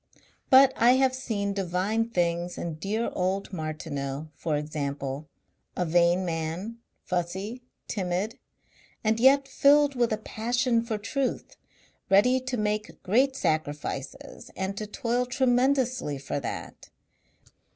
But I have seen divine things in dear old Martineau, for example. A vain man, fussy, timid and yet filled with a passion for truth, ready to make great sacrifices and to toil tremendously for that.